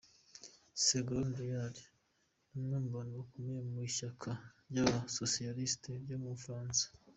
Ségolène Royal ni umwe mu bantu bakomey mu ishyaka ry’abasosiyalisiti ryo mu Bufaransa.